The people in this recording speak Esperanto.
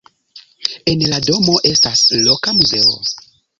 En la domo estas loka muzeo.